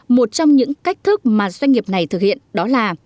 một trong những cách thức mà doanh nghiệp này thực hiện đó là